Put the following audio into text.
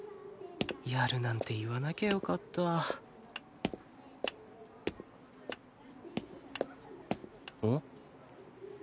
やるなんて言わなきゃよかったん？